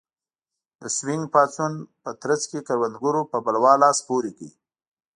د سوینګ پاڅون په ترڅ کې کروندګرو په بلوا لاس پورې کړ.